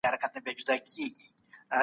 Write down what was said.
د اوبو په واسطه بدن تازه پاته کیږي.